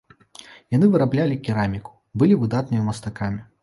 Яны выраблялі кераміку, былі выдатнымі мастакамі.